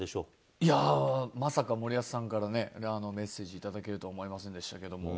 いやー、まさか森保さんからね、メッセージ頂けるとは思いませんでしたけども。